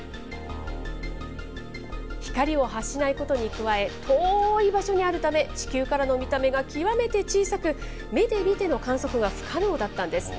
光を発しないことに加え、遠い場所にあるため、地球からの見た目が極めて小さく、目で見ての観測が不可能だったんです。